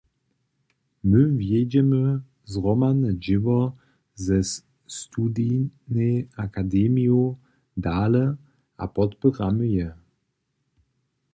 My wjedźemy zhromadne dźěło ze studijnej akademiju dale a podpěramy je.